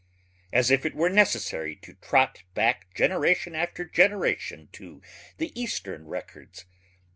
As if it were necessary to trot back generation after generation to the eastern records!